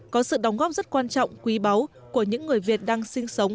có sự đóng góp rất quan trọng quý báu của những người việt đang sinh sống